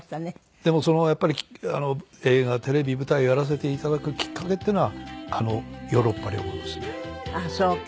でもやっぱり映画テレビ舞台をやらせていただくきっかけっていうのはあのヨーロッパ旅行ですね。